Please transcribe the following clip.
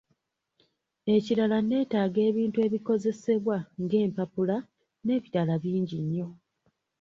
Ekirala netaaga ebintu ebikozesebwa ng'empapula n'ebirala bingi nnyo.